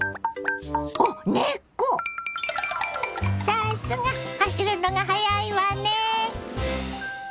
さすが走るのが速いわね。